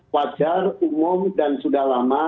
wajar umum dan sudah lama